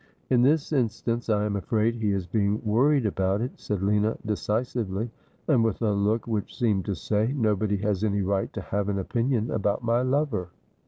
' In this instance I am afraid he is being worried about it,' said Lina decisively ; and with a look which seemed to say, ' nobody has any right to have an opinion about my lover.'